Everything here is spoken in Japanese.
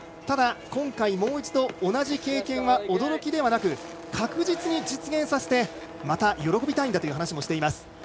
ただ、今回もう一度同じ経験は、驚きではなく確実に実現させてまた喜びたいんだという話もしています。